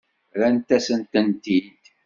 Rrant-asent-tent-id.